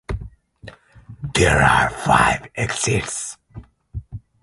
There are five exits.